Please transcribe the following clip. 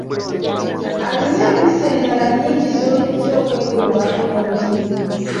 Alina empisa endala nnyingi z'oyinza okwegomba ku muntu.